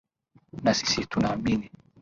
na sisi tunaamini